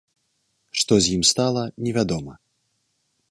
Што з ім стала, невядома.